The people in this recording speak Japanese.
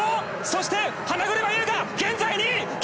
そして、花車優が現在２位！